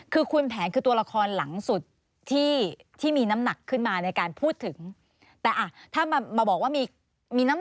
คุณตอบคือไม่มีใช่ไหม